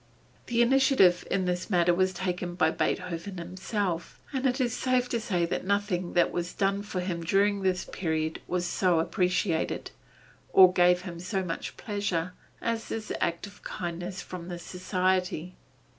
The initiative in this matter was taken by Beethoven himself, and it is safe to say that nothing that was done for him during this period was so appreciated, or gave him so much pleasure, as this act of kindness from the Society.